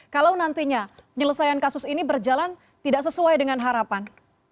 kalau nantinya penyelesaian kasus ini berjalan tidak sesuai dengan harapan